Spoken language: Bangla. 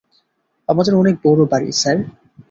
আমাদের অনেক বড় বাড়ি, স্যার।